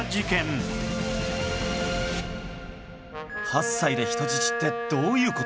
８歳で人質ってどういう事？